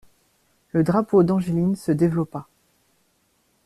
Le drapeau d'Angeline se développa.